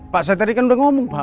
pak saya tadi kan udah ngomong pak